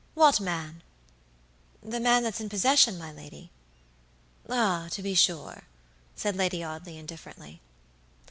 What man?" "The man that's in possession, my lady." "Ah, to be sure," said Lady Audley, indifferently.